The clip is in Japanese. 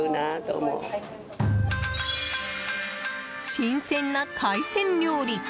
新鮮な海鮮料理！